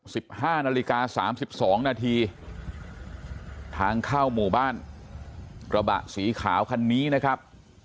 สิบห้านาฬิกาสามสิบสองนาทีทางเข้าหมู่บ้านกระบะสีขาวคันนี้นะครับ